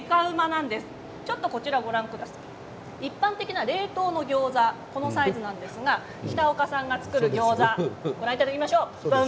一般的な冷凍の餃子はこのサイズなんですが北岡さんが作る餃子ご覧いただきましょう。